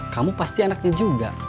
kamu pasti anaknya juga